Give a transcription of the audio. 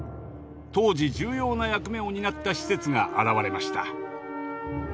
当時重要な役目を担った施設が現れました。